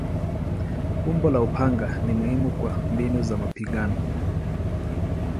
Umbo la upanga ni muhimu kwa mbinu za mapigano.